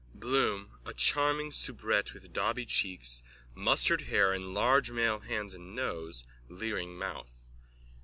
BLOOM: _(A charming soubrette with dauby cheeks, mustard hair and large male hands and nose, leering mouth.)